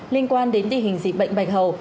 linh quan đến tình hình dịch bệnh bạch hầu